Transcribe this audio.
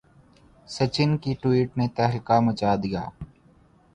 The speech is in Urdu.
سچن کی ٹوئٹ نے تہلکہ مچا دیا